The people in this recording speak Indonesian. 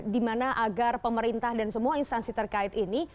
dimana agar pemerintah dan semua instansi terkait ini